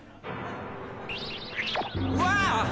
うわ！